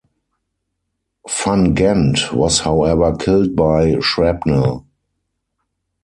Van Ghent was however killed by shrapnel.